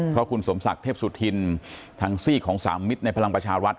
เพราะคุณสมศักดิ์เทพสุธินทางซีกของสามมิตรในพลังประชารัฐ